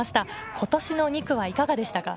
今年の２区はいかがでしたか？